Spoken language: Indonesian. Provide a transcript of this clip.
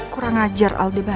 kurang ajar aldebaran